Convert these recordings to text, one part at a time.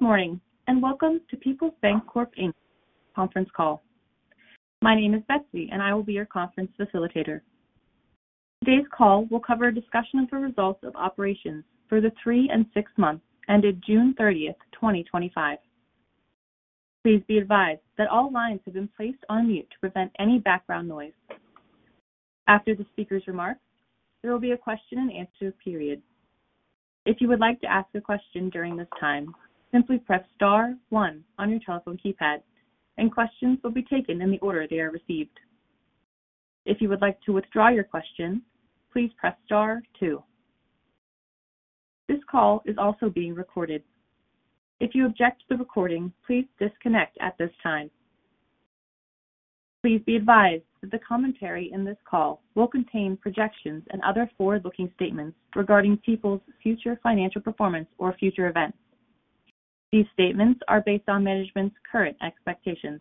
Good morning and welcome to Peoples Bancorp Inc.'s conference call. My name is Betsy, and I will be your conference facilitator. Today's call will cover a discussion of the results of operations for the three and six months ended June 30th, 2025. Please be advised that all lines have been placed on mute to prevent any background noise. After the speaker's remarks, there will be a question-and-answer period. If you would like to ask a question during this time, simply press star one on your telephone keypad, and questions will be taken in the order they are received. If you would like to withdraw your question, please press star two. This call is also being recorded. If you object to the recording, please disconnect at this time. Please be advised that the commentary in this call will contain projections and other forward-looking statements regarding Peoples' future financial performance or future events. These statements are based on management's current expectations.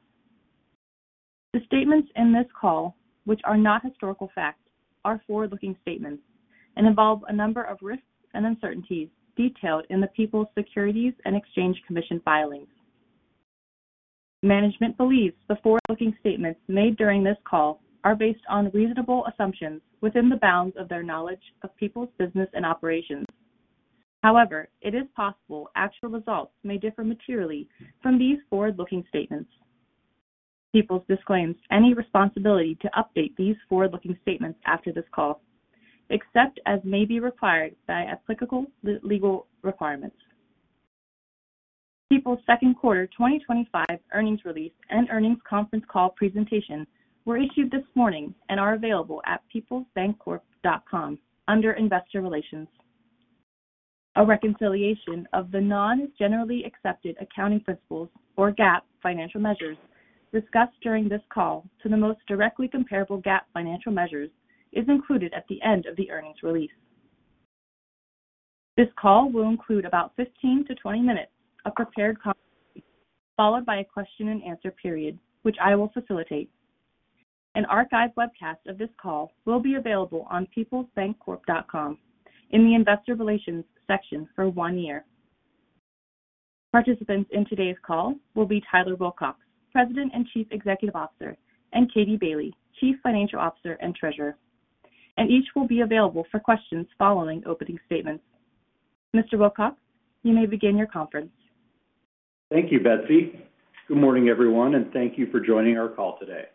The statements in this call, which are not historical facts, are forward-looking statements and involve a number of risks and uncertainties detailed in the Peoples Securities and Exchange Commission filings. Management believes the forward-looking statements made during this call are based on reasonable assumptions within the bounds of their knowledge of Peoples' business and operations. However, it is possible actual results may differ materially from these forward-looking statements. Peoples disclaims any responsibility to update these forward-looking statements after this call, except as may be required by applicable legal requirements. Peoples' second quarter 2025 earnings release and earnings conference call presentation were issued this morning and are available at peoplesbancorp.com under Investor Relations. A reconciliation of the non-generally accepted accounting principles, or GAAP, financial measures discussed during this call to the most directly comparable GAAP financial measures is included at the end of the earnings release. This call will include about 15-20 minutes of prepared conversation, followed by a question-and-answer period, which I will facilitate. An archived webcast of this call will be available on peoplesbancorp.com in the Investor Relations section for one year. Participants in today's call will be Tyler Wilcox, President and Chief Executive Officer, and Katie Bailey, Chief Financial Officer and Treasurer, and each will be available for questions following opening statements. Mr. Wilcox, you may begin your conference. Thank you, Betsy. Good morning, everyone, and thank you for joining our call today.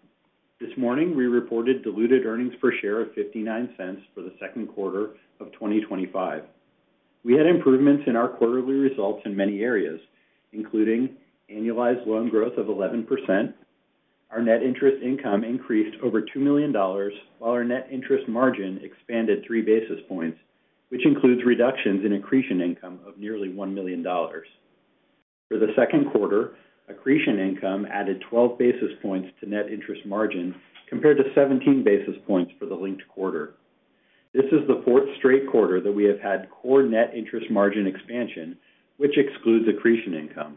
This morning, we reported diluted earnings per share of $0.59 for the second quarter of 2025. We had improvements in our quarterly results in many areas, including annualized loan growth of 11%. Our net interest income increased over $2 million, while our net interest margin expanded three basis points, which includes reductions in accretion income of nearly $1 million. For the second quarter, accretion income added 12 basis points to net interest margin compared to 17 basis points for the linked quarter. This is the fourth straight quarter that we have had core net interest margin expansion, which excludes accretion income.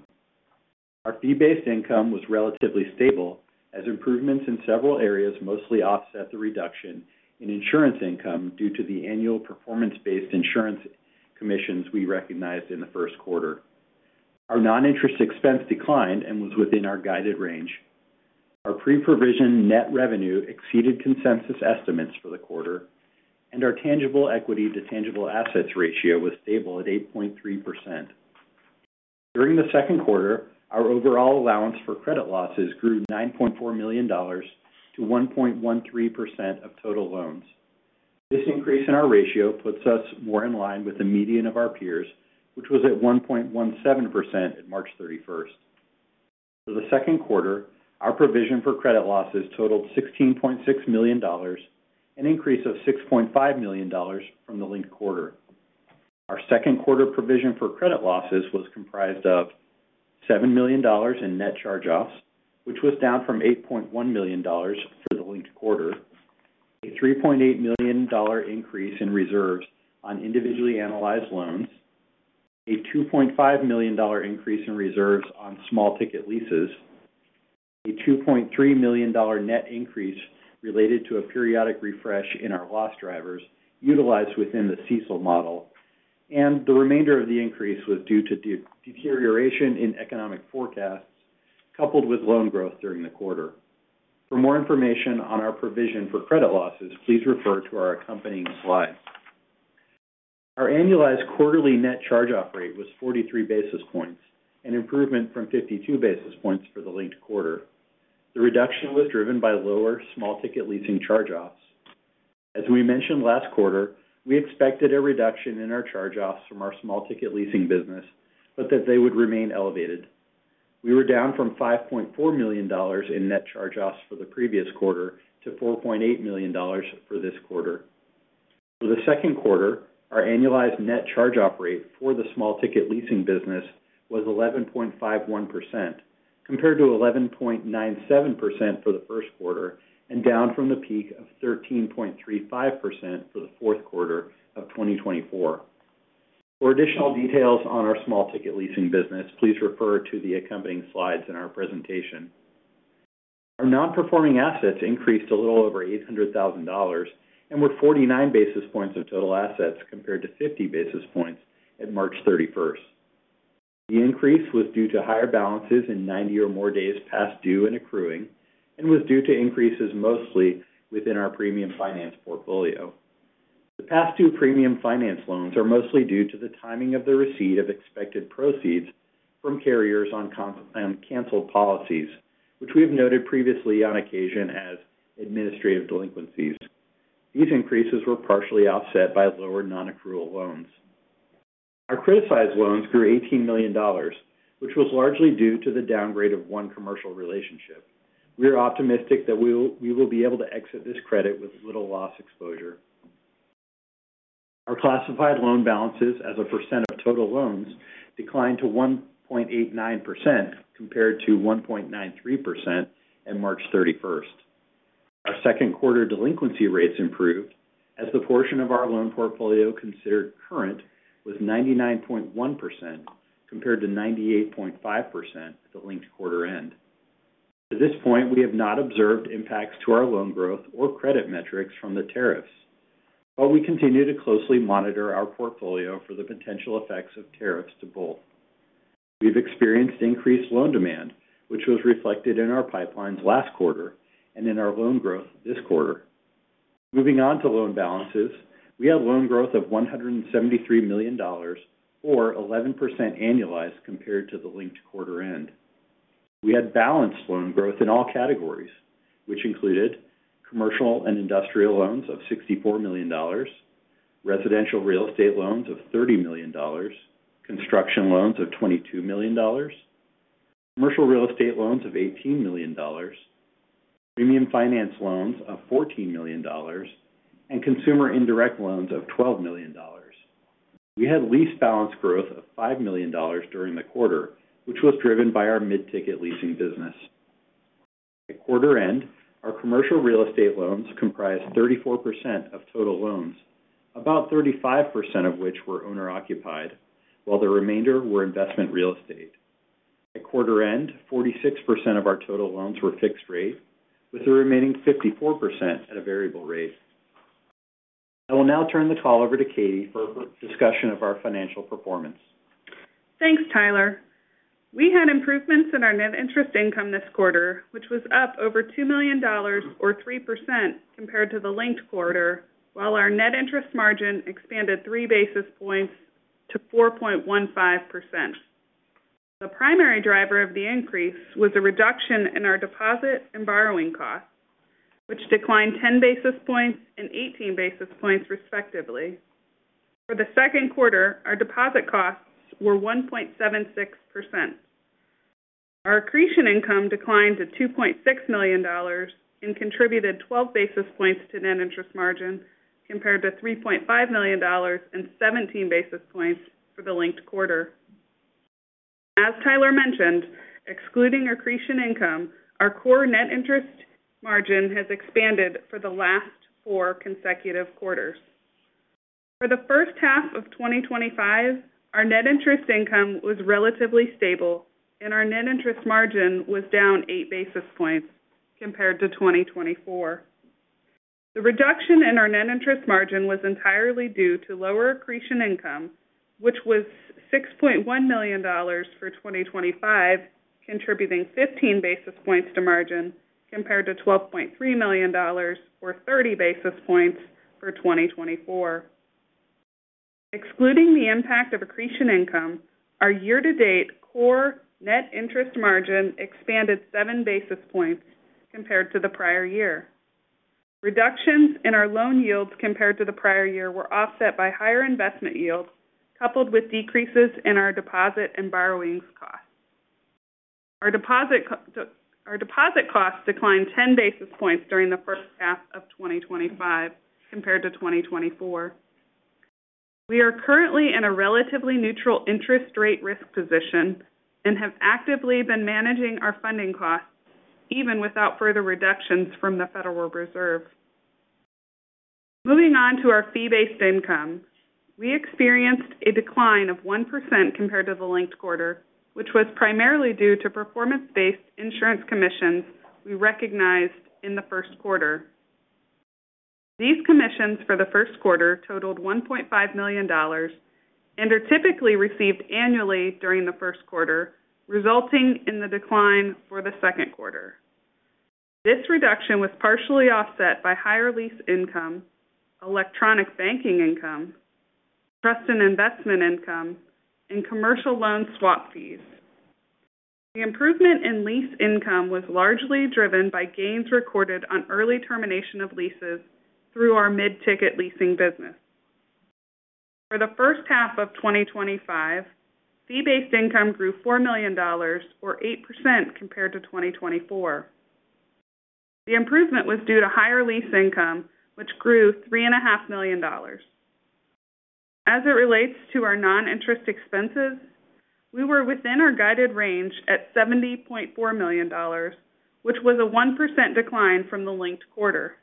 Our fee-based income was relatively stable, as improvements in several areas mostly offset the reduction in insurance income due to the annual performance-based insurance commissions we recognized in the first quarter. Our non-interest expense declined and was within our guided range. Our pre-provision net revenue exceeded consensus estimates for the quarter, and our tangible equity to tangible assets ratio was stable at 8.3%. During the second quarter, our overall allowance for credit losses grew $9.4 million to 1.13% of total loans. This increase in our ratio puts us more in line with the median of our peers, which was at 1.17% at March 31st. For the second quarter, our provision for credit losses totaled $16.6 million, an increase of $6.5 million from the linked quarter. Our second quarter provision for credit losses was comprised of $7 million in net charge-offs, which was down from $8.1 million for the linked quarter, a $3.8 million increase in reserves on individually analyzed loans, a $2.5 million increase in reserves on small ticket leases, a $2.3 million net increase related to a periodic refresh in our loss drivers utilized within the CECL model, and the remainder of the increase was due to deterioration in economic forecasts coupled with loan growth during the quarter. For more information on our provision for credit losses, please refer to our accompanying slides. Our annualized quarterly net charge-off rate was 43 basis points, an improvement from 52 basis points for the linked quarter. The reduction was driven by lower small ticket leasing charge-offs. As we mentioned last quarter, we expected a reduction in our charge-offs from our small ticket leasing business, but that they would remain elevated. We were down from $5.4 million in net charge-offs for the previous quarter to $4.8 million for this quarter. For the second quarter, our annualized net charge-off rate for the small ticket leasing business was 11.51% compared to 11.97% for the first quarter and down from a peak of 13.35% for the fourth quarter of 2024. For additional details on our small ticket leasing business, please refer to the accompanying slides in our presentation. Our non-performing assets increased a little over $800,000 and were 49 basis points of total assets compared to 50 basis points at March 31st. The increase was due to higher balances in 90 or more days past due and accruing and was due to increases mostly within our premium finance portfolio. The past due premium finance loans are mostly due to the timing of the receipt of expected proceeds from carriers on canceled policies, which we have noted previously on occasion as administrative delinquencies. These increases were partially offset by lower non-accrual loans. Our criticized loans grew $18 million, which was largely due to the downgrade of one commercial relationship. We are optimistic that we will be able to exit this credit with little loss exposure. Our classified loan balances, as a percent of total loans, declined to 1.89% compared to 1.93% at March 31st. Our second quarter delinquency rates improved as the portion of our loan portfolio considered current was 99.1% compared to 98.5% at the linked quarter end. To this point, we have not observed impacts to our loan growth or credit metrics from the tariffs, but we continue to closely monitor our portfolio for the potential effects of tariffs to both. We've experienced increased loan demand, which was reflected in our pipelines last quarter and in our loan growth this quarter. Moving on to loan balances, we had loan growth of $173 million, or 11% annualized compared to the linked quarter end. We had balanced loan growth in all categories, which included commercial and industrial loans of $64 million, residential real estate loans of $30 million, construction loans of $22 million, commercial real estate loans of $18 million, premium finance loans of $14 million, and consumer indirect loans of $12 million. We had lease balance growth of $5 million during the quarter, which was driven by our mid-ticket leasing business. At quarter end, our commercial real estate loans comprised 34% of total loans, about 35% of which were owner-occupied, while the remainder were investment real estate. At quarter end, 46% of our total loans were fixed rate, with the remaining 54% at a variable rate. I will now turn the call over to Katie for a discussion of our financial performance. Thanks, Tyler. We had improvements in our net interest income this quarter, which was up over $2 million, or 3% compared to the linked quarter, while our net interest margin expanded 3 basis points to 4.15%. The primary driver of the increase was a reduction in our deposit and borrowing costs, which declined 10 basis points and 18 basis points, respectively. For the second quarter, our deposit costs were 1.76%. Our accretion income declined to $2.6 million and contributed 12 basis points to net interest margin compared to $3.5 million and 17 basis points for the linked quarter. As Tyler mentioned, excluding accretion income, our core net interest margin has expanded for the last four consecutive quarters. For the first half of 2025, our net interest income was relatively stable, and our net interest margin was down 8 basis points compared to 2024. The reduction in our net interest margin was entirely due to lower accretion income, which was $6.1 million for 2025, contributing 15 basis points to margin compared to $12.3 million, or 30 basis points for 2024. Excluding the impact of accretion income, our year-to-date core net interest margin expanded seven basis points compared to the prior year. Reductions in our loan yields compared to the prior year were offset by higher investment yields coupled with decreases in our deposit and borrowings costs. Our deposit costs declined 10 basis points during the first half of 2025 compared to 2024. We are currently in a relatively neutral interest rate risk position and have actively been managing our funding costs even without further reductions from the Federal Reserve. Moving on to our fee-based income, we experienced a decline of 1% compared to the linked quarter, which was primarily due to performance-based insurance commissions we recognized in the first quarter. These commissions for the first quarter totaled $1.5 million and are typically received annually during the first quarter, resulting in the decline for the second quarter. This reduction was partially offset by higher lease income, electronic banking income, trust and investment income, and commercial loan swap fees. The improvement in lease income was largely driven by gains recorded on early termination of leases through our mid-ticket leasing business. For the first half of 2025, fee-based income grew $4 million, or 8% compared to 2024. The improvement was due to higher lease income, which grew $3.5 million. As it relates to our non-interest expenses, we were within our guided range at $70.4 million, which was a 1% decline from the linked quarter.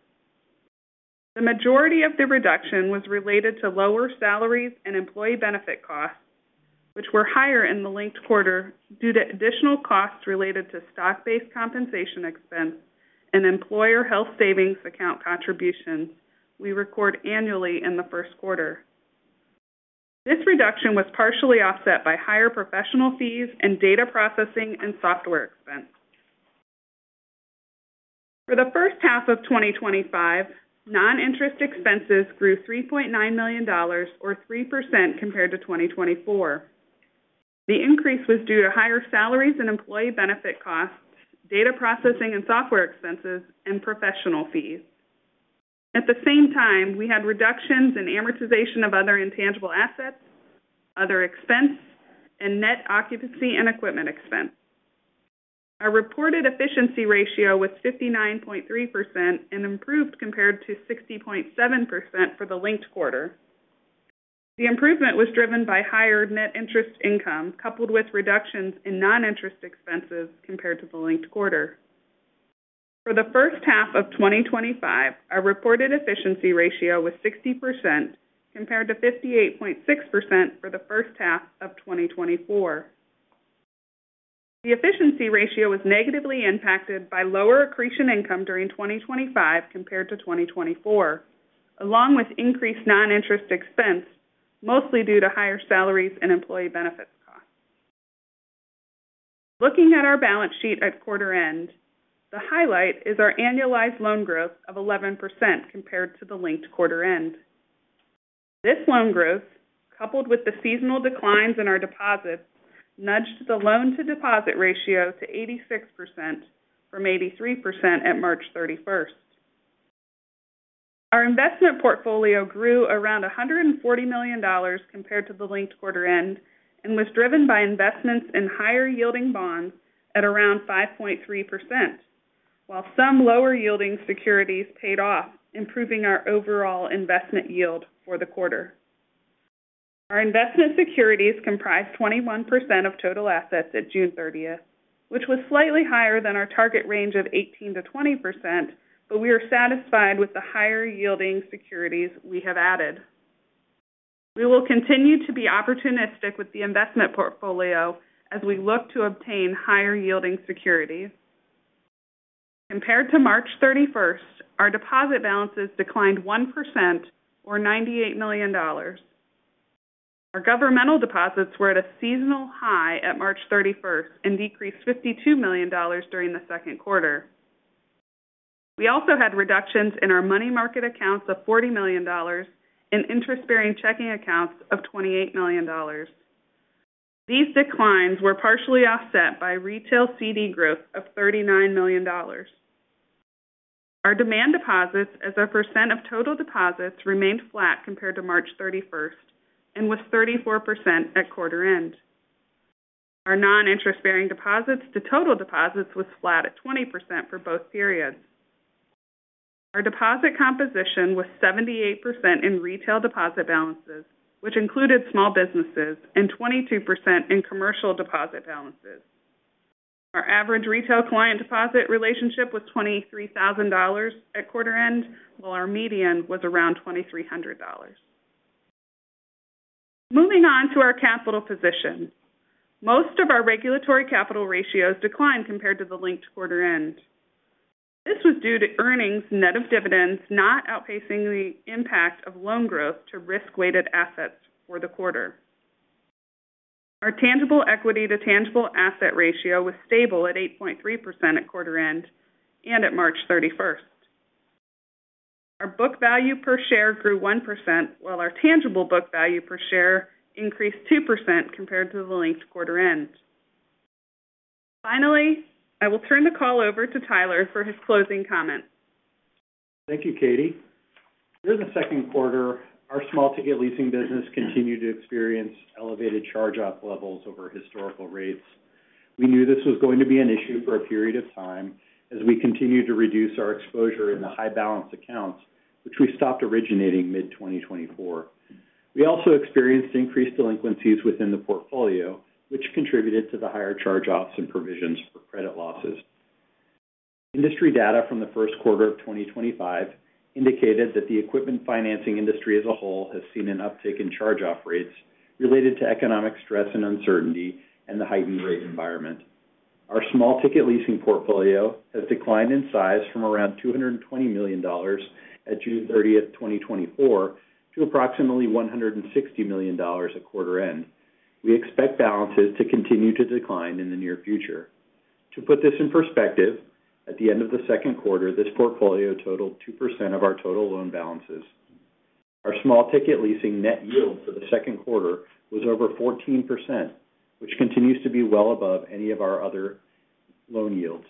The majority of the reduction was related to lower salaries and employee benefit costs, which were higher in the linked quarter due to additional costs related to stock-based compensation expense and employer health savings account contributions we record annually in the first quarter. This reduction was partially offset by higher professional fees and data processing and software expense. For the first half of 2025, non-interest expenses grew $3.9 million, or 3% compared to 2024. The increase was due to higher salaries and employee benefit costs, data processing and software expenses, and professional fees. At the same time, we had reductions in amortization of other intangible assets, other expense, and net occupancy and equipment expense. Our reported efficiency ratio was 59.3% and improved compared to 60.7% for the linked quarter. The improvement was driven by higher net interest income coupled with reductions in non-interest expenses compared to the linked quarter. For the first half of 2025, our reported efficiency ratio was 60% compared to 58.6% for the first half of 2024. The efficiency ratio was negatively impacted by lower accretion income during 2025 compared to 2024, along with increased non-interest expense, mostly due to higher salaries and employee benefits costs. Looking at our balance sheet at quarter end, the highlight is our annualized loan growth of 11% compared to the linked quarter end. This loan growth, coupled with the seasonal declines in our deposits, nudged the loan-to-deposit ratio to 86% from 83% at March 31st. Our investment portfolio grew around $140 million compared to the linked quarter end and was driven by investments in higher yielding bonds at around 5.3%, while some lower yielding securities paid off, improving our overall investment yield for the quarter. Our investment securities comprised 21% of total assets at June 30th, which was slightly higher than our target range of 18%-20%, but we are satisfied with the higher yielding securities we have added. We will continue to be opportunistic with the investment portfolio as we look to obtain higher yielding securities. Compared to March 31st, our deposit balances declined 1% or $98 million. Our governmental deposits were at a seasonal high at March 31st and decreased $52 million during the second quarter. We also had reductions in our money market accounts of $40 million and interest-bearing checking accounts of $28 million. These declines were partially offset by retail CD growth of $39 million. Our demand deposits, as a percent of total deposits, remained flat compared to March 31st and was 34% at quarter end. Our non-interest-bearing deposits to total deposits were flat at 20% for both periods. Our deposit composition was 78% in retail deposit balances, which included small businesses, and 22% in commercial deposit balances. Our average retail client deposit relationship was $23,000 at quarter end, while our median was around $2,300. Moving on to our capital position, most of our regulatory capital ratios declined compared to the linked quarter end. This was due to earnings net of dividends not outpacing the impact of loan growth to risk-weighted assets for the quarter. Our tangible equity to tangible asset ratio was stable at 8.3% at quarter end and at March 31st. Our book value per share grew 1%, while our tangible book value per share increased 2% compared to the linked quarter end. Finally, I will turn the call over to Tyler for his closing comments. Thank you, Katie. During the second quarter, our small ticket leasing business continued to experience elevated charge-off levels over historical rates. We knew this was going to be an issue for a period of time as we continued to reduce our exposure in the high balance accounts, which we stopped originating mid-2024. We also experienced increased delinquencies within the portfolio, which contributed to the higher charge-offs and provisions for credit losses. Industry data from the first quarter of 2025 indicated that the equipment financing industry as a whole has seen an uptick in charge-off rates related to economic stress and uncertainty and the high V-wave environment. Our small ticket leasing portfolio has declined in size from around $220 million at June 30th, 2024, to approximately $160 million at quarter end. We expect balances to continue to decline in the near future. To put this in perspective, at the end of the second quarter, this portfolio totaled 2% of our total loan balances. Our small ticket leasing net yield for the second quarter was over 14%, which continues to be well above any of our other loan yields.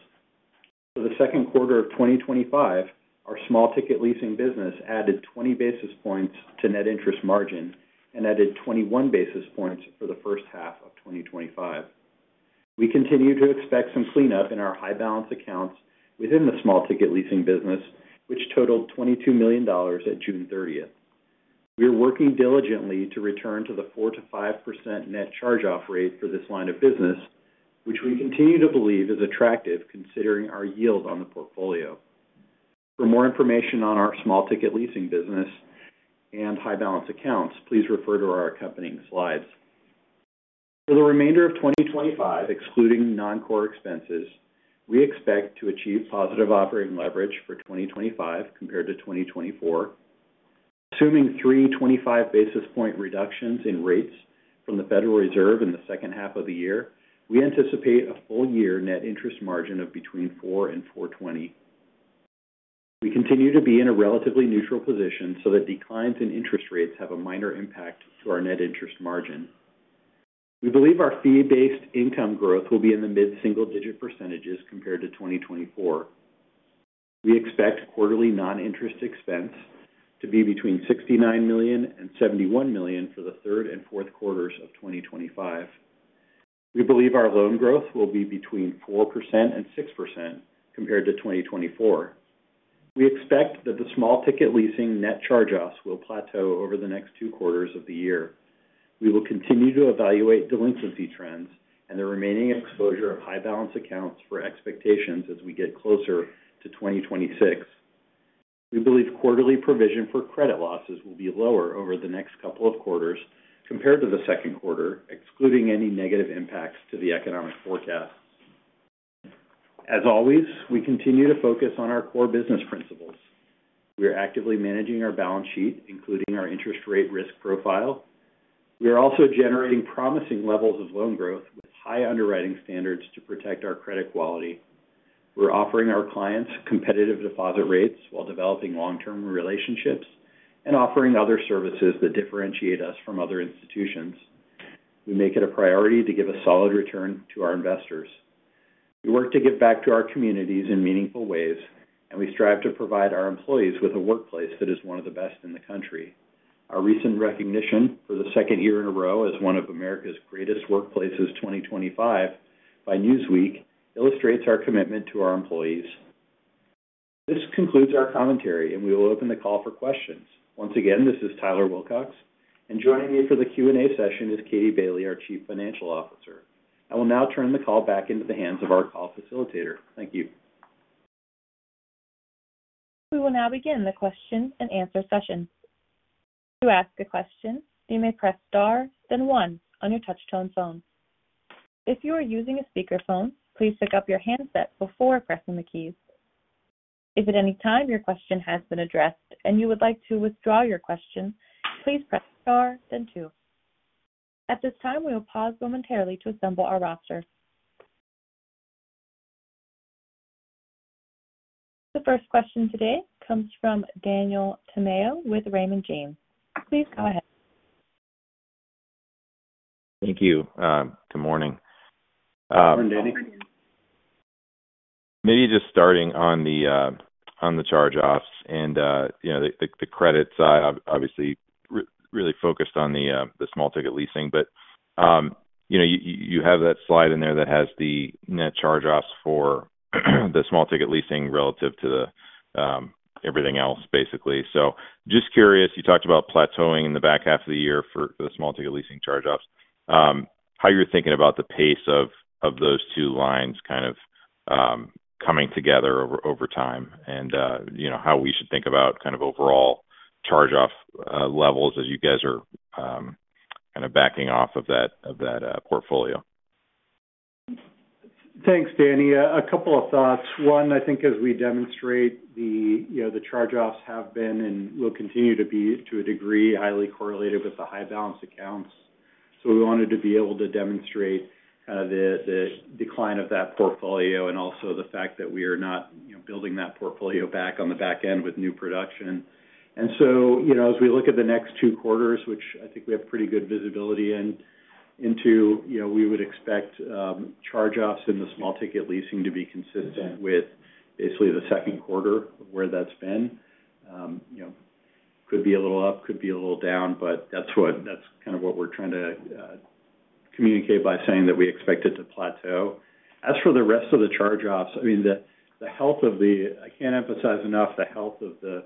For the second quarter of 2025, our small ticket leasing business added 20 basis points to net interest margin and added 21 basis points for the first half of 2025. We continue to expect some cleanup in our high balance accounts within the small ticket leasing business, which totaled $22 million at June 30th. We are working diligently to return to the 4%-5% net charge-off rate for this line of business, which we continue to believe is attractive considering our yield on the portfolio. For more information on our small ticket leasing business and high balance accounts, please refer to our accompanying slides. For the remainder of 2025, excluding non-core expenses, we expect to achieve positive operating leverage for 2025 compared to 2024. Assuming three 25 basis point reductions in rates from the Federal Reserve in the second half of the year, we anticipate a full year net interest margin of between 4% and 4.20%. We continue to be in a relatively neutral position so that declines in interest rates have a minor impact to our net interest margin. We believe our fee-based income growth will be in the mid-single-digit percentage compared to 2024. We expect quarterly non-interest expense to be between $69 million and $71 million for the third and fourth quarters of 2025. We believe our loan growth will be between 4% and 6% compared to 2024. We expect that the small ticket leasing net charge-offs will plateau over the next two quarters of the year. We will continue to evaluate delinquency trends and the remaining exposure of high balance accounts for expectations as we get closer to 2026. We believe quarterly provision for credit losses will be lower over the next couple of quarters compared to the second quarter, excluding any negative impacts to the economic forecast. As always, we continue to focus on our core business principles. We are actively managing our balance sheet, including our interest rate risk profile. We are also generating promising levels of loan growth with high underwriting standards to protect our credit quality. We're offering our clients competitive deposit rates while developing long-term relationships and offering other services that differentiate us from other institutions. We make it a priority to give a solid return to our investors. We work to give back to our communities in meaningful ways, and we strive to provide our employees with a workplace that is one of the best in the country. Our recent recognition for the second year in a row as one of America's Greatest Workplaces 2025 by Newsweek illustrates our commitment to our employees. This concludes our commentary, and we will open the call for questions. Once again, this is Tyler Wilcox, and joining me for the Q&A session is Katie Bailey, our Chief Financial Officer. I will now turn the call back into the hands of our call facilitator. Thank you. We will now begin the question-and-answer session. To ask a question, you may press star, then one on your touch-tone phone. If you are using a speaker phone, please pick up your handset before pressing the keys. If at any time your question has been addressed and you would like to withdraw your question, please press star, then two. At this time, we will pause momentarily to assemble our rosters. The first question today comes from Daniel Tamayo with Raymond James. Please go ahead. Thank you. Good morning. Morning, Danny. Maybe just starting on the charge-offs and, you know, the credit side, I'm obviously really focused on the small ticket leasing, but you have that slide in there that has the net charge-offs for the small ticket leasing relative to everything else, basically. Just curious, you talked about plateauing in the back half of the year for the small ticket leasing charge-offs. How you're thinking about the pace of those two lines kind of coming together over time and how we should think about kind of overall charge-off levels as you guys are kind of backing off of that portfolio. Thanks, Danny. A couple of thoughts. One, I think as we demonstrate, the charge-offs have been and will continue to be to a degree highly correlated with the high balance accounts. We wanted to be able to demonstrate the decline of that portfolio and also the fact that we are not building that portfolio back on the back end with new production. As we look at the next two quarters, which I think we have pretty good visibility into, we would expect charge-offs in the small ticket leasing to be consistent with basically the second quarter of where that's been. It could be a little up, could be a little down, but that's what we're trying to communicate by saying that we expect it to plateau. As for the rest of the charge-offs, I can't emphasize enough the health of the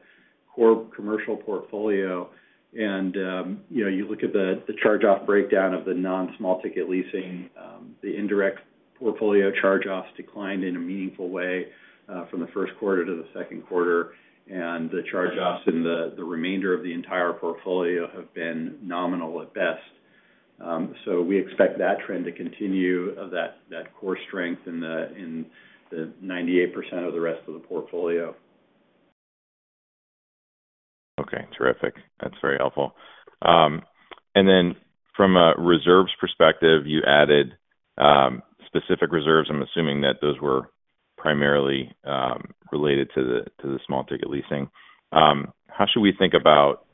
core commercial portfolio. You look at the charge-off breakdown of the non-small ticket leasing, the indirect portfolio charge-offs declined in a meaningful way from the first quarter to the second quarter, and the charge-offs in the remainder of the entire portfolio have been nominal at best. We expect that trend to continue, that core strength in the 98% of the rest of the portfolio. Okay, terrific. That's very helpful. From a reserves perspective, you added specific reserves. I'm assuming that those were primarily related to the small ticket leasing. How should we think about,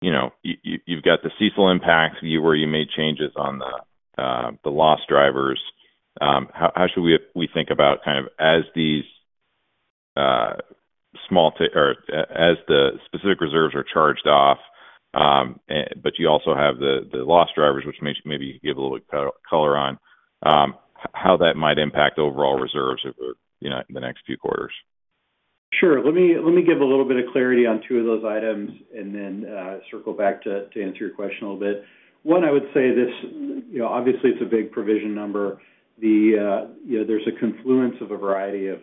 you know, you've got the CECL impacts where you made changes on the loss drivers. How should we think about kind of as these small ticket or as the specific reserves are charged off, but you also have the loss drivers, which maybe you give a little bit of color on, how that might impact overall reserves in the next few quarters? Sure. Let me give a little bit of clarity on two of those items and then circle back to answer your question a little bit. One, I would say this, you know, obviously it's a big provision number. There's a confluence of a variety of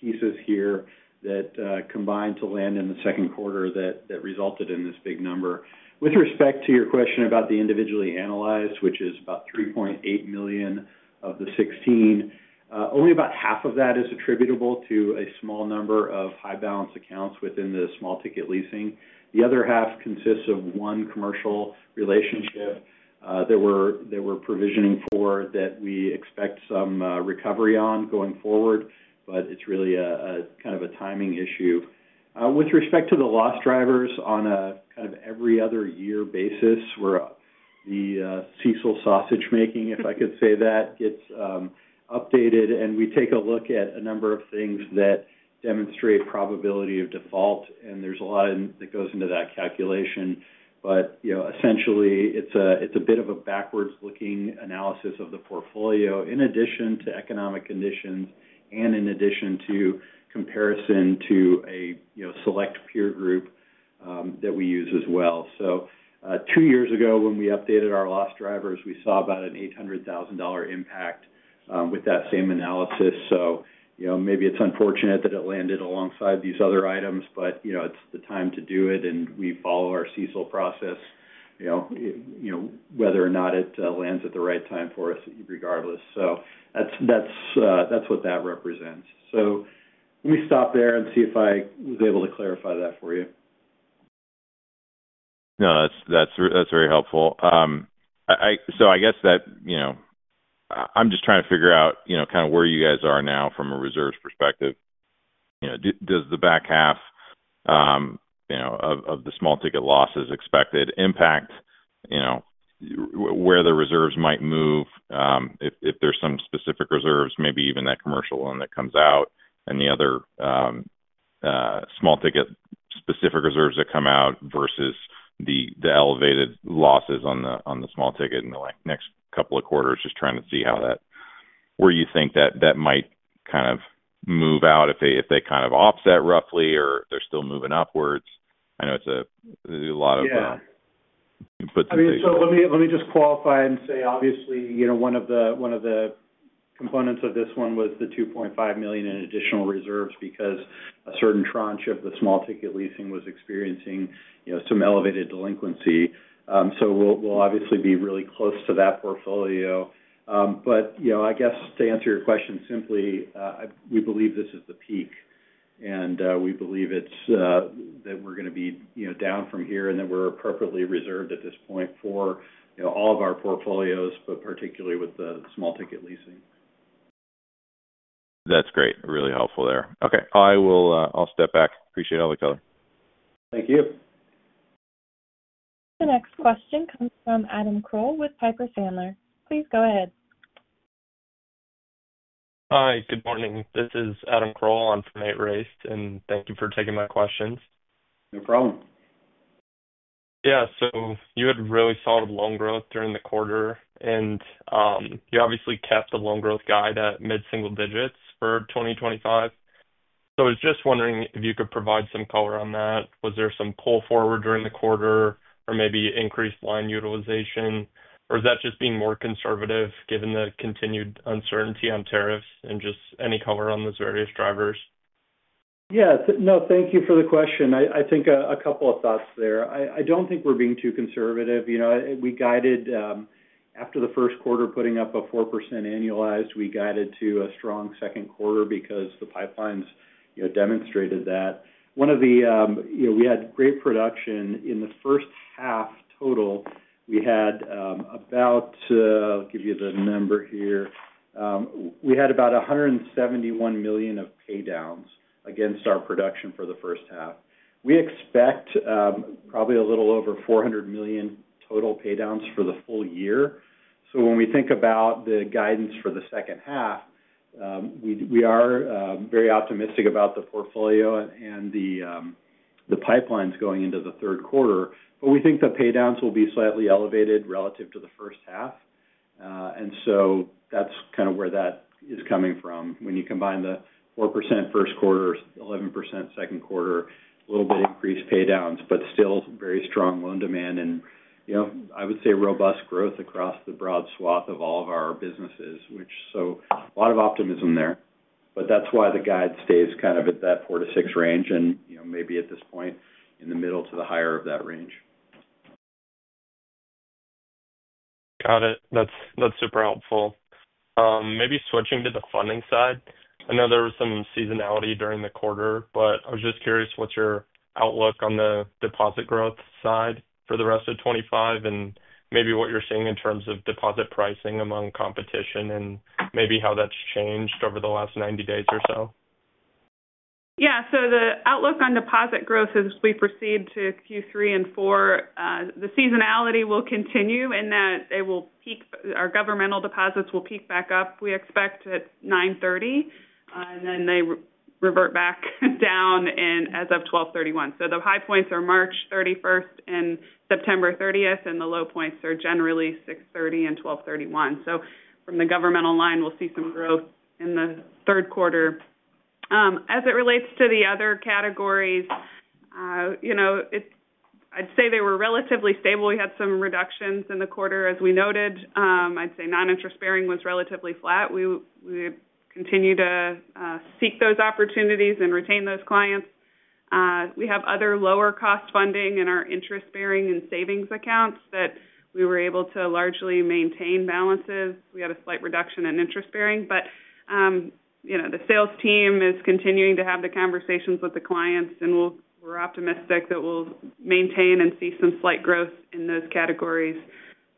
pieces here that combined to land in the second quarter that resulted in this big number. With respect to your question about the individually analyzed, which is about $3.8 million of the $16 million, only about half of that is attributable to a small number of high balance accounts within the small ticket leasing. The other half consists of one commercial relationship that we're provisioning for that we expect some recovery on going forward, but it's really a kind of a timing issue. With respect to the loss drivers on a kind of every other year basis where the CECL sausage making, if I could say that, gets updated, we take a look at a number of things that demonstrate probability of default, and there's a lot that goes into that calculation. Essentially, it's a bit of a backwards-looking analysis of the portfolio in addition to economic conditions and in addition to comparison to a select peer group that we use as well. Two years ago, when we updated our loss drivers, we saw about an $800,000 impact with that same analysis. Maybe it's unfortunate that it landed alongside these other items, but it's the time to do it, and we follow our CECL process, whether or not it lands at the right time for us regardless. That's what that represents. Let me stop there and see if I was able to clarify that for you. No, that's very helpful. I guess that, you know, I'm just trying to figure out, you know, kind of where you guys are now from a reserves perspective. Does the back half of the small ticket losses expected impact where the reserves might move if there's some specific reserves, maybe even that commercial one that comes out and the other small ticket specific reserves that come out versus the elevated losses on the small ticket in the next couple of quarters? Just trying to see where you think that might kind of move out, if they kind of offset roughly or they're still moving upwards. I know it's a lot of. Let me just qualify and say, obviously, one of the components of this one was the $2.5 million in additional reserves because a certain tranche of the small ticket leasing was experiencing some elevated delinquency. We will obviously be really close to that portfolio. To answer your question simply, we believe this is the peak, and we believe that we are going to be down from here and that we are appropriately reserved at this point for all of our portfolios, but particularly with the small ticket leasing. That's great. Really helpful there. Okay, I'll step back. Appreciate all the color. Thank you. The next question comes from Adam Kroll with Piper Sandler. Please go ahead. Hi. Good morning. This is Adam Kroll on for Nate Race, and thank you for taking my questions. No problem. You had really solid loan growth during the quarter, and you obviously kept the loan growth guide at mid-single digits for 2025. I was just wondering if you could provide some color on that. Was there some pull forward during the quarter or maybe increased line utilization, or is that just being more conservative given the continued uncertainty on tariffs and just any color on those various drivers? Yeah. No, thank you for the question. I think a couple of thoughts there. I don't think we're being too conservative. You know, we guided, after the first quarter, putting up a 4% annualized, we guided to a strong second quarter because the pipelines demonstrated that. One of the, you know, we had great production in the first half total. We had about, I'll give you the number here, we had about $171 million of paydowns against our production for the first half. We expect probably a little over $400 million total paydowns for the full year. When we think about the guidance for the second half, we are very optimistic about the portfolio and the pipelines going into the third quarter. We think the paydowns will be slightly elevated relative to the first half, and that's kind of where that is coming from. When you combine the 4% first quarter, 11% second quarter, a little bit of increased paydowns, but still very strong loan demand and, you know, I would say robust growth across the broad swath of all of our businesses, which, so a lot of optimism there. That's why the guide stays kind of at that 4%-6% range and, you know, maybe at this point in the middle to the higher of that range. Got it. That's super helpful. Maybe switching to the funding side, I know there was some seasonality during the quarter, but I was just curious, what's your outlook on the deposit growth side for the rest of 2025 and maybe what you're seeing in terms of deposit pricing among competition and maybe how that's changed over the last 90 days or so? Yeah. The outlook on deposit growth as we proceed to Q3 and Q4 is that the seasonality will continue in that they will peak, our governmental deposits will peak back up, we expect at 9:30, and then they revert back down as of 12:31. The high points are March 31 and September 30, and the low points are generally 6:30 and 12:31. From the governmental line, we'll see some growth in the third quarter. As it relates to the other categories, I'd say they were relatively stable. We had some reductions in the quarter, as we noted. I'd say non-interest bearing was relatively flat. We continue to seek those opportunities and retain those clients. We have other lower-cost funding in our interest bearing and savings accounts that we were able to largely maintain balances. We had a slight reduction in interest bearing, but the sales team is continuing to have the conversations with the clients, and we're optimistic that we'll maintain and see some slight growth in those categories.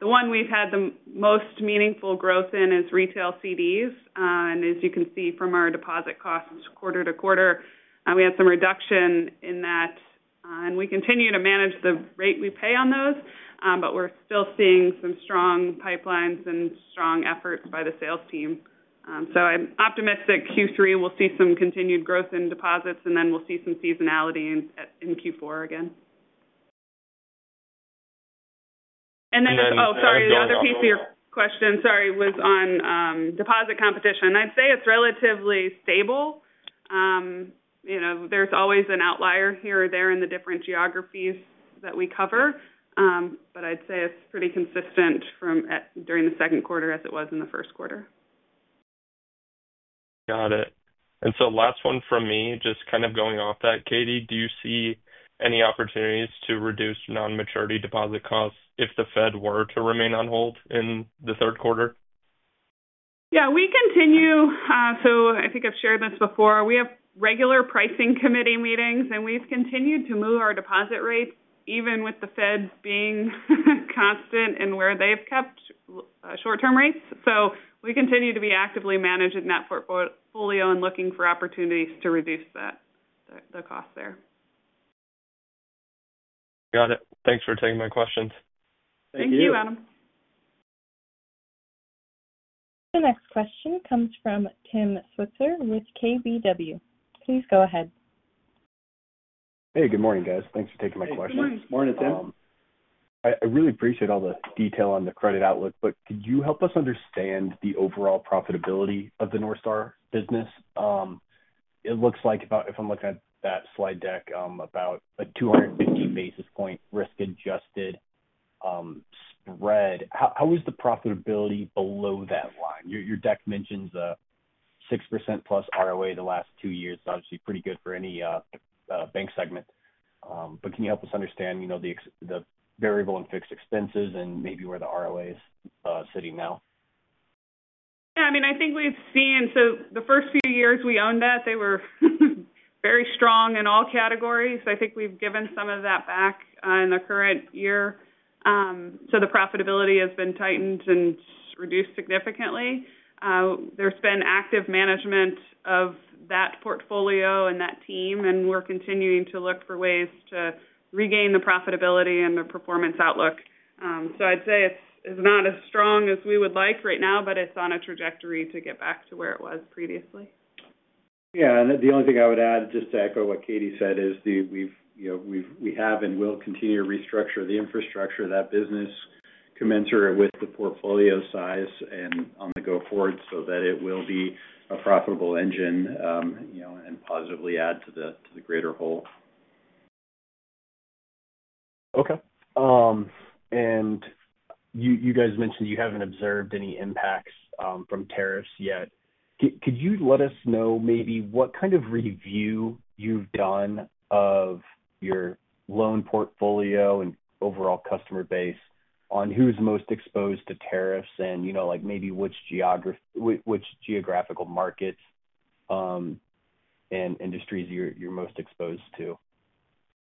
The one we've had the most meaningful growth in is retail CDs. As you can see from our deposit costs quarter to quarter, we had some reduction in that, and we continue to manage the rate we pay on those, but we're still seeing some strong pipelines and strong efforts by the sales team. I'm optimistic Q3 we'll see some continued growth in deposits, and then we'll see some seasonality in Q4 again. The other piece of your question was on deposit competition. I'd say it's relatively stable. There's always an outlier here or there in the different geographies that we cover, but I'd say it's pretty consistent during the second quarter as it was in the first quarter. Got it. Last one from me, just kind of going off that, Katie, do you see any opportunities to reduce non-maturity deposit costs if the Fed were to remain on hold in the third quarter? We have regular pricing committee meetings, and we've continued to move our deposit rates, even with the Feds being constant in where they've kept short-term rates. We continue to be actively managing that portfolio and looking for opportunities to reduce the cost there. Got it. Thanks for taking my questions. Thank you, Adam. The next question comes from Tim Switzer with KBW. Please go ahead. Hey, good morning, guys. Thanks for taking my question. Morning, Tim. I really appreciate all the detail on the credit outlook, but could you help us understand the overall profitability of the North Star business? It looks like about, if I'm looking at that slide deck, about a 215 basis point risk-adjusted spread. How is the profitability below that line? Your deck mentions a 6%+ ROA the last two years. It's obviously pretty good for any bank segment. Could you help us understand, you know, the variable and fixed expenses and maybe where the ROA is sitting now? I think we've seen, the first few years we owned that, they were very strong in all categories. I think we've given some of that back in the current year. The profitability has been tightened and reduced significantly. There's been active management of that portfolio and that team, and we're continuing to look for ways to regain the profitability and the performance outlook. I'd say it's not as strong as we would like right now, but it's on a trajectory to get back to where it was previously. The only thing I would add, just to echo what Katie said, is we have and will continue to restructure the infrastructure of that business commensurate with the portfolio size and on the go forward so that it will be a profitable engine, you know, and positively add to the greater whole. Okay. You guys mentioned you haven't observed any impacts from tariffs yet. Could you let us know maybe what kind of review you've done of your loan portfolio and overall customer base on who's most exposed to tariffs, and maybe which geographical markets and industries you're most exposed to?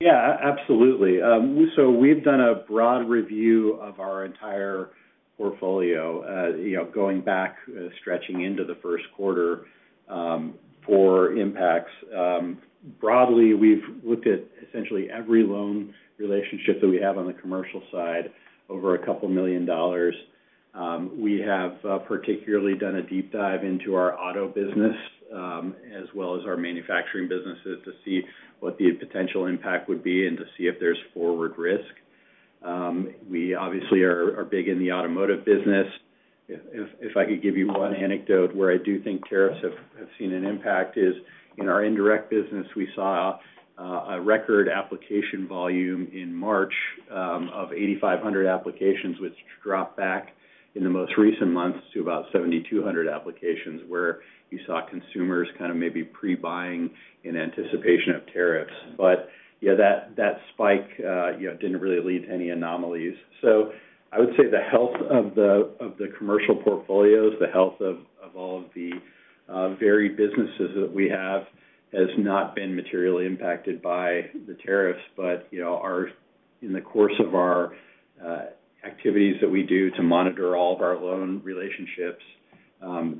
Yeah, absolutely. We have done a broad review of our entire portfolio, going back, stretching into the first quarter for impacts. Broadly, we have looked at essentially every loan relationship that we have on the commercial side over a couple million dollars. We have particularly done a deep dive into our auto business as well as our manufacturing businesses to see what the potential impact would be and to see if there's forward risk. We obviously are big in the automotive business. If I could give you one anecdote where I do think tariffs have seen an impact is in our indirect business. We saw a record application volume in March of 8,500 applications, which dropped back in the most recent months to about 7,200 applications where you saw consumers maybe pre-buying in anticipation of tariffs. That spike did not really lead to any anomalies. I would say the health of the commercial portfolios, the health of all of the varied businesses that we have, has not been materially impacted by the tariffs. In the course of our activities that we do to monitor all of our loan relationships,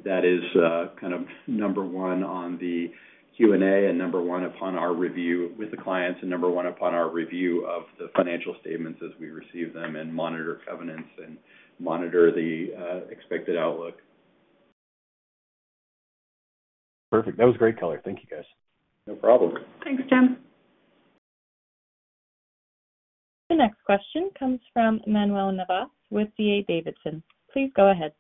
that is number one on the Q&A and number one upon our review with the clients and number one upon our review of the financial statements as we receive them and monitor covenants and monitor the expected outlook. Perfect. That was great, Tyler. Thank you, guys. No problem. Thanks, Tim. The next question comes from Manuel Navas with D.A. Davidson. Please go ahead.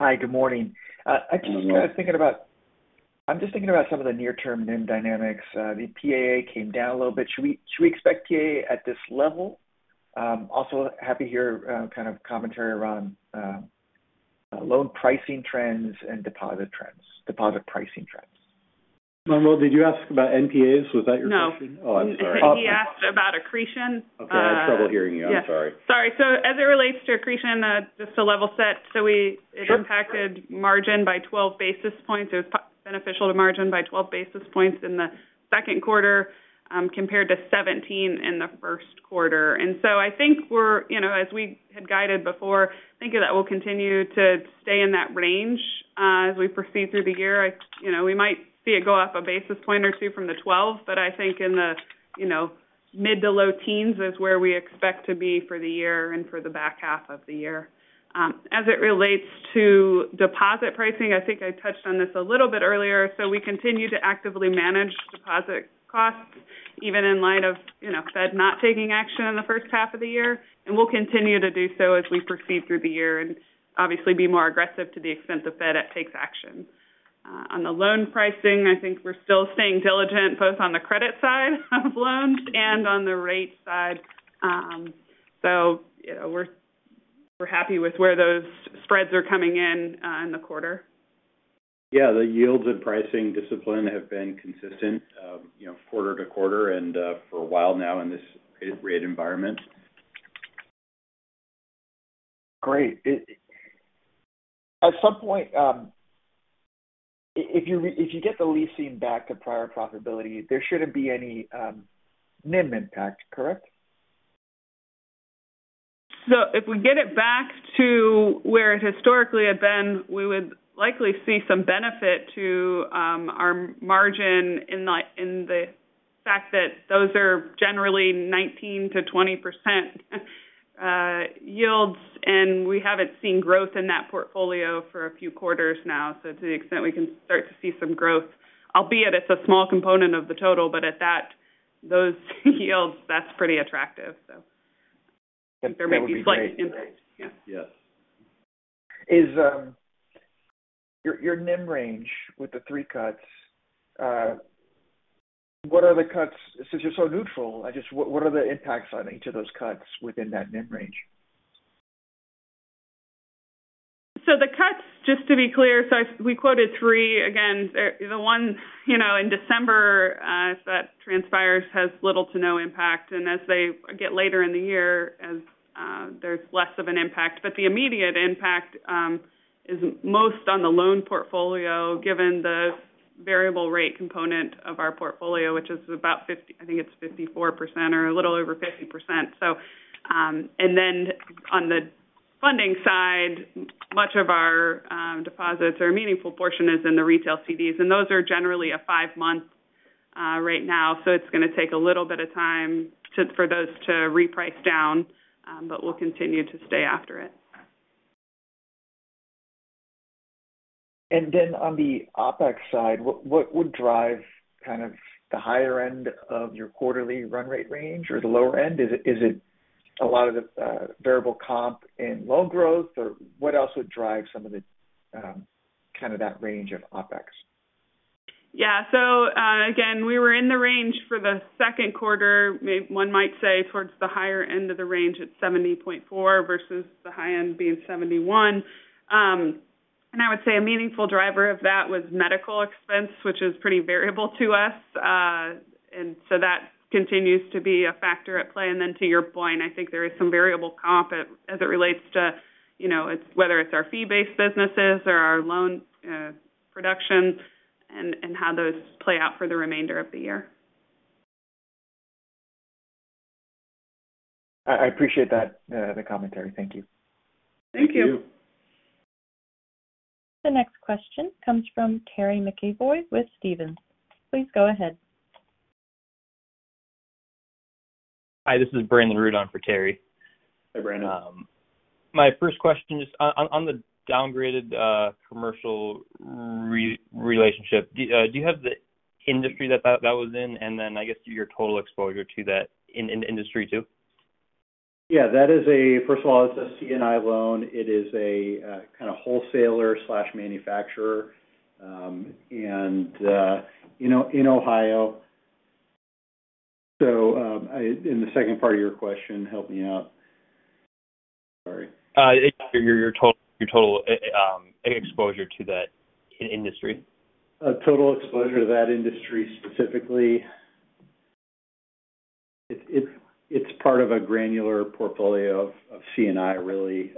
Hi, good morning. I'm just thinking about some of the near-term NIM dynamics. The PAA came down a little bit. Should we expect PAA at this level? Also, happy to hear kind of commentary around loan pricing trends and deposit pricing trends. Manuel, did you ask about NPAs? Was that your question? No. Oh, I'm sorry. He asked about accretion. Okay, I have trouble hearing you. I'm sorry. Yeah. Sorry. As it relates to accretion, just to level set, we impacted margin by 12 basis points. It was beneficial to margin by 12 basis points in the second quarter compared to 17 basis points in the first quarter. As we had guided before, I think that we'll continue to stay in that range as we proceed through the year. We might see it go up a basis point or two from the 12 basis points, but in the mid to low teens is where we expect to be for the year and for the back half of the year. As it relates to deposit pricing, I touched on this a little bit earlier. We continue to actively manage deposit costs, even in light of the Fed not taking action in the first half of the year. We'll continue to do so as we proceed through the year and obviously be more aggressive to the extent the Fed takes action. On the loan pricing, I think we're still staying diligent both on the credit side of loans and on the rate side. We're happy with where those spreads are coming in in the quarter. Yeah, the yields and pricing discipline have been consistent, you know, quarter to quarter and for a while now in this rate environment. Great. At some point, if you get the leasing back to prior profitability, there shouldn't be any NIM impact, correct? If we get it back to where it historically had been, we would likely see some benefit to our margin in the fact that those are generally 19%-20% yields, and we haven't seen growth in that portfolio for a few quarters now. To the extent we can start to see some growth, albeit it's a small component of the total, but at those yields, that's pretty attractive. There might be slight impact. Yes. Is your NIM range with the three cuts, what are the cuts, since you're so neutral, what are the impacts on each of those cuts within that NIM range? The cuts, just to be clear, we quoted three. Again, the one in December, if that transpires, has little to no impact. As they get later in the year, there's less of an impact. The immediate impact is most on the loan portfolio, given the variable rate component of our portfolio, which is about 50%, I think it's 54% or a little over 50%. On the funding side, much of our deposits or meaningful portion is in the retail CDs, and those are generally a five-month rate now. It's going to take a little bit of time for those to reprice down, but we'll continue to stay after it. On the OpEx side, what would drive kind of the higher end of your quarterly run rate range or the lower end? Is it a lot of the variable comp in loan growth or what else would drive some of that range of OpEx? Yeah, we were in the range for the second quarter, one might say towards the higher end of the range at 70.4% versus the high end being 71%. I would say a meaningful driver of that was medical expense, which is pretty variable to us. That continues to be a factor at play. To your point, I think there is some variable comp as it relates to whether it's our fee-based businesses or our loan production and how those play out for the remainder of the year. I appreciate that commentary. Thank you. Thank you. Thank you. The next question comes from Terry McEvoy with Stephens. Please go ahead. Hi, this is Brandon Rud on for Terry. Hi, Brandon. My first question is on the downgraded commercial relationship. Do you have the industry that that was in, and then I guess your total exposure to that industry too? Yeah, that is a, first of all, it's a C&I loan. It is a kind of wholesaler/manufacturer in Ohio. The second part of your question, help me out. Your total exposure to that industry. Total exposure to that industry specifically, it's part of a granular portfolio of C&I really.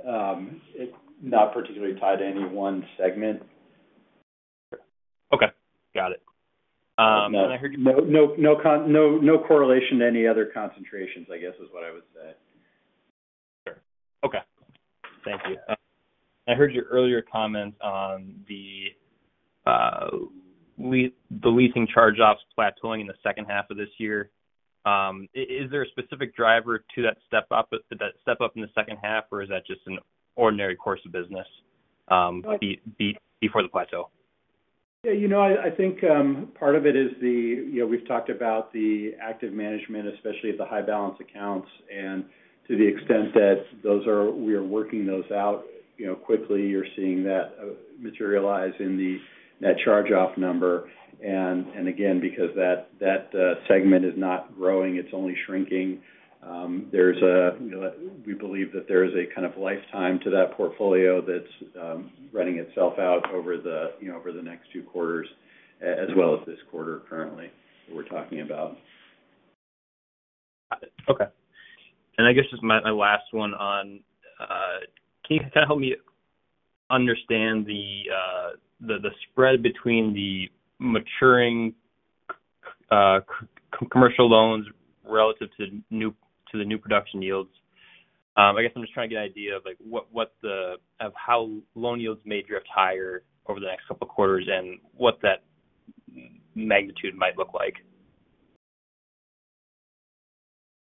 It's not particularly tied to any one segment. Okay, got it. No correlation to any other concentrations, I guess, is what I would say. Sure. Okay. Thank you. I heard your earlier comment on the leasing charge-offs plateauing in the second half of this year. Is there a specific driver to that step up in the second half, or is that just an ordinary course of business before the plateau? Yeah, I think part of it is the, you know, we've talked about the active management, especially the high balance accounts, and to the extent that those are, we are working those out quickly, you're seeing that materialize in that charge-off number. Again, because that segment is not growing, it's only shrinking. We believe that there is a kind of lifetime to that portfolio that's running itself out over the next two quarters, as well as this quarter currently that we're talking about. Got it. Okay. Can you kind of help me understand the spread between the maturing commercial loans relative to the new production yields? I'm just trying to get an idea of how loan yields may drift higher over the next couple of quarters and what that magnitude might look like.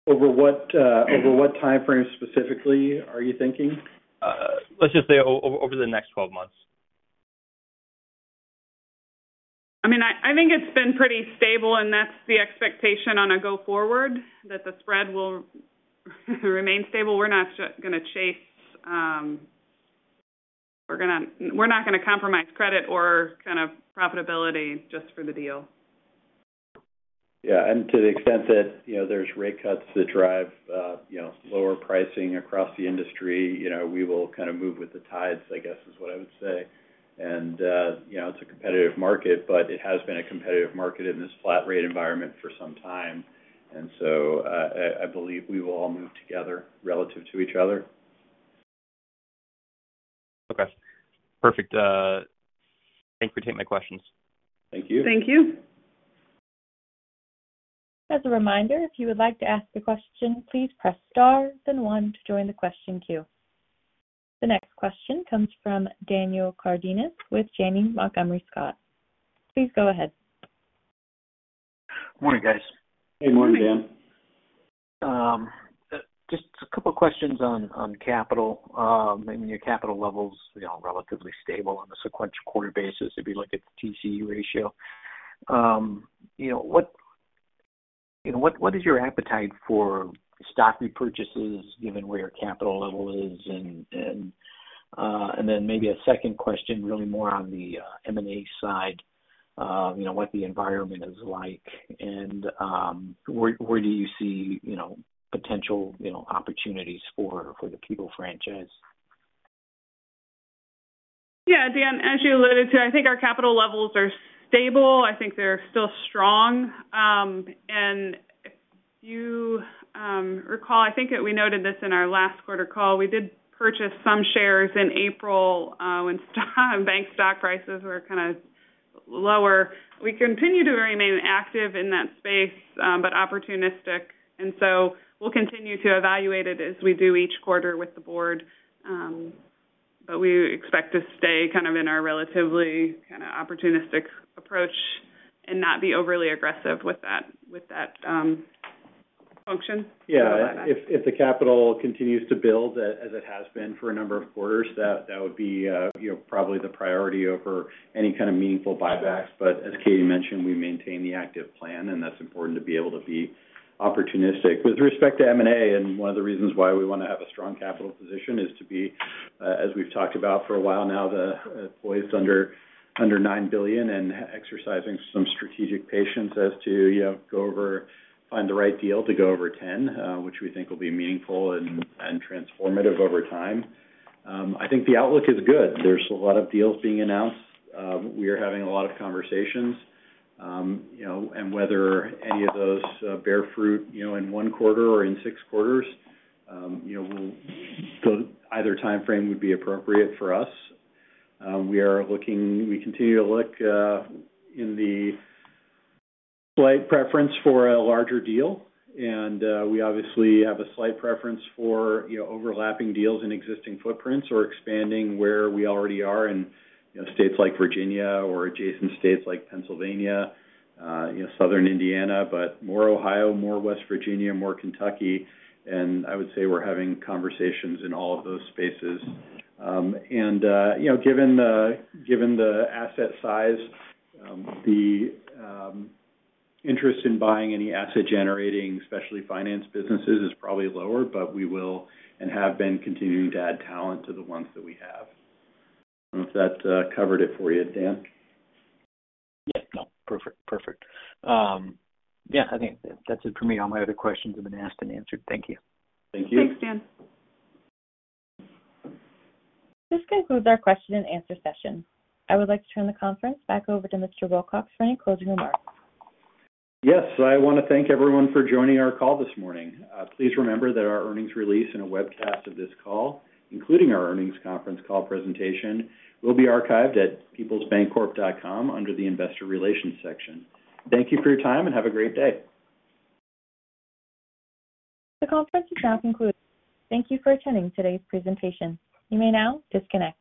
Over what timeframe specifically are you thinking? Let's just say over the next 12 months. I think it's been pretty stable, and that's the expectation on a go-forward, that the spread will remain stable. We're not going to chase, we're not going to compromise credit or profitability just for the deal. To the extent that, you know, there's rate cuts that drive, you know, lower pricing across the industry, you know, we will kind of move with the tides, I guess, is what I would say. It's a competitive market, but it has been a competitive market in this flat-rate environment for some time. I believe we will all move together relative to each other. Okay. Perfect. Thank you for taking my questions. Thank you. Thank you. As a reminder, if you would like to ask a question, please press star, then one to join the question queue. The next question comes from Daniel Cardenas with Janney Montgomery Scott. Please go ahead. Morning, guys. Hey, morning, Dan. Just a couple of questions on capital. Your capital level is relatively stable on a sequential quarter basis if you look at the TCE ratio. What is your appetite for stock repurchases given where your capital level is? Maybe a second question, really more on the M&A side, what the environment is like, and where do you see potential opportunities for the Peoples franchise? Yeah, Dan, as you alluded to, I think our capital levels are stable. I think they're still strong. If you recall, I think we noted this in our last quarter call. We did purchase some shares in April when bank stock prices were kind of lower. We continue to remain active in that space, but opportunistic. We'll continue to evaluate it as we do each quarter with the board. We expect to stay kind of in our relatively kind of opportunistic approach and not be overly aggressive with that function. Yeah. If the capital continues to build as it has been for a number of quarters, that would be, you know, probably the priority over any kind of meaningful buybacks. As Katie mentioned, we maintain the active plan, and that's important to be able to be opportunistic. With respect to M&A, one of the reasons why we want to have a strong capital position is to be, as we've talked about for a while now, poised under $9 billion and exercising some strategic patience to, you know, go over, find the right deal to go over $10 billion, which we think will be meaningful and transformative over time. I think the outlook is good. There's a lot of deals being announced. We are having a lot of conversations, you know, and whether any of those bear fruit, you know, in one quarter or in six quarters, either timeframe would be appropriate for us. We are looking, we continue to look, with a slight preference for a larger deal. We obviously have a slight preference for, you know, overlapping deals in existing footprints or expanding where we already are in, you know, states like Virginia or adjacent states like Pennsylvania, Southern Indiana, but more Ohio, more West Virginia, more Kentucky. I would say we're having conversations in all of those spaces. Given the asset size, the interest in buying any asset-generating, especially finance businesses, is probably lower, but we will and have been continuing to add talent to the ones that we have. I don't know if that covered it for you, Dan? Yeah, no. Perfect. Yeah, I think that's it for me. All my other questions have been asked and answered. Thank you. Thank you. Thanks, Dan. This concludes our question and answer session. I would like to turn the conference back over to Mr. Wilcox for any closing remarks. Yes. I want to thank everyone for joining our call this morning. Please remember that our earnings release and a webcast of this call, including our earnings conference call presentation, will be archived at peoplesbancorp.com under the Investor Relations section. Thank you for your time and have a great day. The conference shall conclude. Thank you for attending today's presentation. You may now disconnect.